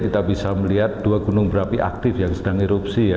kita bisa melihat dua gunung berapi aktif yang sedang erupsi ya